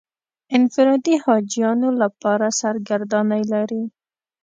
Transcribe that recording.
انفرادي حاجیانو لپاره سرګردانۍ لري.